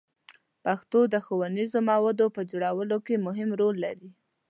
پښتو د ښوونیزو موادو په جوړولو کې مهم رول لري.